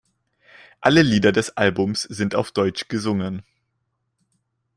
Alle Lieder des Albums sind auf Deutsch gesungen.